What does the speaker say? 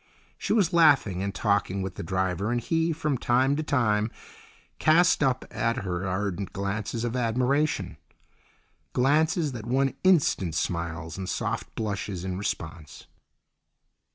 She was laughing and talking with the driver, and he, from time to time, cast up at her ardent glances of admiration—glances that won instant smiles and soft blushes in response.